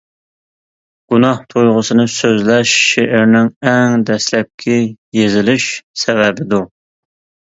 گۇناھ تۇيغۇسىنى سۆزلەش شېئىرنىڭ ئەڭ دەسلەپكى يېزىلىش سەۋەبىدۇر.